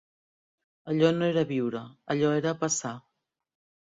Allò no era viure: allò era passar.